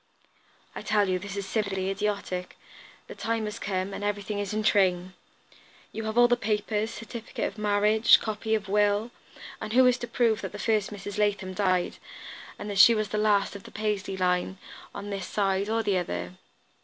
"I tell you this is simply idiotic; the time has come, and everything is in train. You have all the papers, certificate of marriage, copy of will, and who is to prove that the first Mrs. Latham died, and that she was the last of the Paisley line, on this side, or the other?